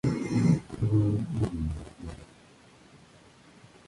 El conjunto es dirigido por el argentino Jorge Sampaoli.